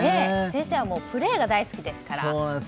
先生はプレーが大好きですから。